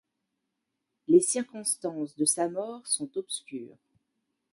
Les circonstances de sa mort sont obscures.